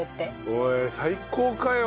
おい最高かよ！